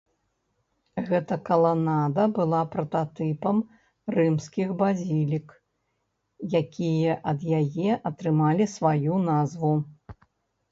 Гэта каланада была прататыпам рымскіх базілік, якія ад яе атрымалі сваю назву.